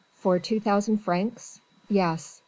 "For two thousand francs?" "Yes."